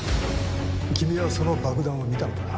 君はその爆弾を見たのかな？